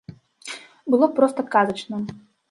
Было б проста казачна.